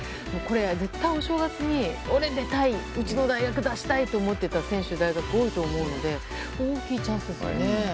絶対、お正月にうちの大学を出したいと思っていた大学も多いと思うので大きいチャンスですよね。